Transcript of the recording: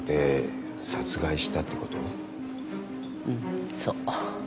うんそう。